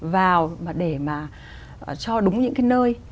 vào để mà cho đúng những cái nơi